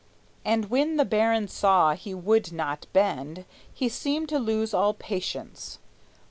And when the baron saw he would not bend, He seemed to lose all patience.